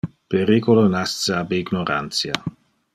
Periculo nasce ab ignorantia.